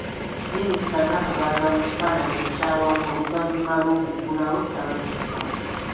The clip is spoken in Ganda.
Minisita Namuganza mu kifaananyi ekyawamu oluvannyuma lw'okuggulawo tabamiruka.